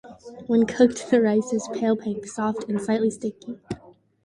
When cooked, the rice is pale pink, soft and slightly sticky.